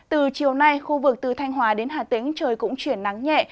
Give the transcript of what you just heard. từ chiều nay khu vực từ thanh hóa đến hà tĩnh trời cũng chuyển nắng nhẹ